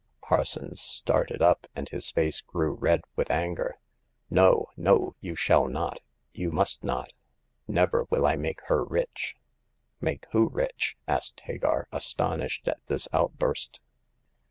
'' Parsons started up, and his face grew red with anger. No, no 1 You shall not— you must not ! Never will I make her rich !*'Make who rich ?" asked Hagar, astonished at this outburst.